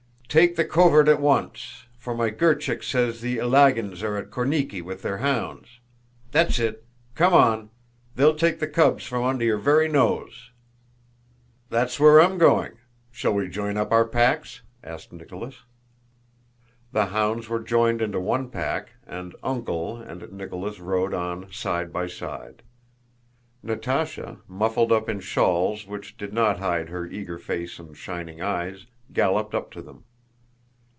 "Take the covert at once, for my Gírchik says the Ilágins are at Kornikí with their hounds. That's it. Come on!... They'll take the cubs from under your very nose." "That's where I'm going. Shall we join up our packs?" asked Nicholas. The hounds were joined into one pack, and "Uncle" and Nicholas rode on side by side. Natásha, muffled up in shawls which did not hide her eager face and shining eyes, galloped up to them.